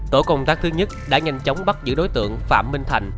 tổ công tác thứ nhất đã nhanh chóng bắt giữ đối tượng phạm minh thành